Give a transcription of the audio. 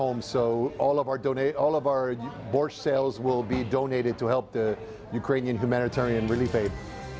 jadi semua penjualan borsk kami akan didonatkan untuk membantu borsk